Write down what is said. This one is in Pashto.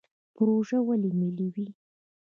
پروژې ولې ملي وي؟